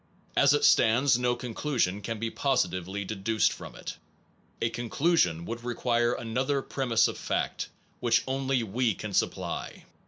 As it stands, no conclusion can be positively de duced from it. A conclusion would require another premise of fact, which only we can supply.